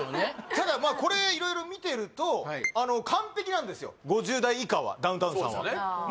ただまあこれ色々見てるとあの完璧なんですよ５０代以下はダウンタウンさんはそうですよね